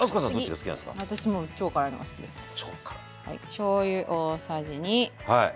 しょうゆ大さじ２。